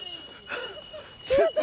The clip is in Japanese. ちょっと。